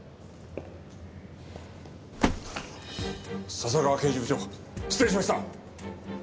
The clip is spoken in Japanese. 笹川刑事部長失礼しました！